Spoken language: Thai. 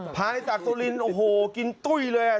พายจากสุรินทร์โอ้โหกินตุ้ยเลยอ่ะ